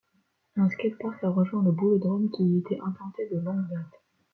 Un skatepark a rejoint le boulodrome qui y était implanté de longue date.